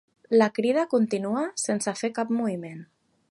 La Crida continua sense fer cap moviment